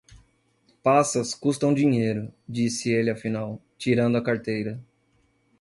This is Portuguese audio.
Passas custam dinheiro, disse ele afinal, tirando a carteira.